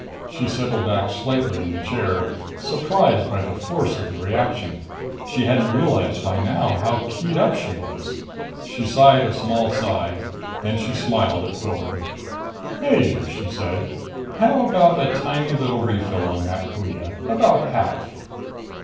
She settled back slightly in the chair, surprised by the force of the reaction. She hadn't realized by now how keyed up she was! She sighed a small sigh. Then she smiled at Quillan. "Major," she said, "how about a tiny little refill on that Puya about half?"